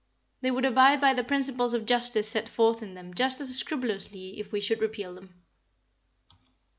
They would abide by the principles of justice set forth in them just as scrupulously if we should repeal them.